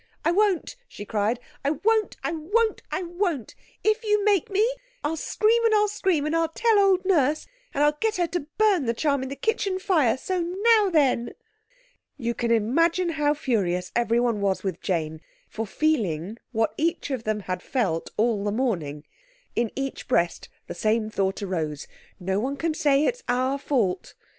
"I won't!" she cried; "I won't, I won't, I won't! If you make me I'll scream and I'll scream, and I'll tell old Nurse, and I'll get her to burn the charm in the kitchen fire. So now, then!" You can imagine how furious everyone was with Jane for feeling what each of them had felt all the morning. In each breast the same thought arose, "No one can say it's our fault."